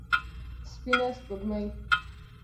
سپينه سپوږمۍ